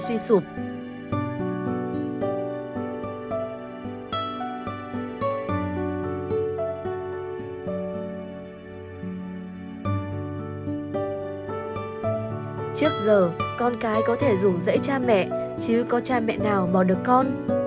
trước giờ con cái có thể dùng dãy cha mẹ chứ có cha mẹ nào bỏ được con